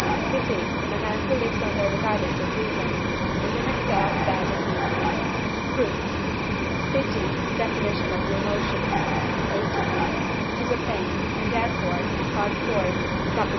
Pity, in a man who lives under the guidance of reason, is in itself bad and useless. Proof. Pity (Def. of the Emotions, xviii.) is a pain, and therefore (IV. xli.)